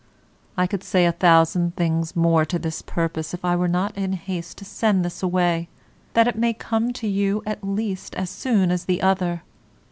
I could say a thousand things more to this purpose if I were not in haste to send this away, that it may come to you, at least, as soon as the other.